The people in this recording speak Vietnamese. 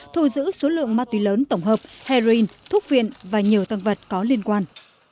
thu giữ số lượng ma túy lớn tổng hợp heroin thuốc viện và nhiều tăng vật có liên quan